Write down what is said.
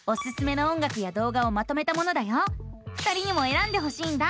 ２人にもえらんでほしいんだ。